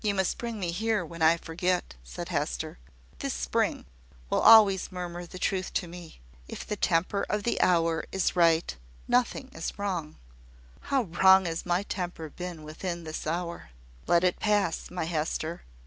"You must bring me here, when I forget," said Hester. "This spring will always murmur the truth to me `If the temper of the hour is right nothing is wrong.' How wrong has my temper been within this hour!" "Let it pass, my Hester.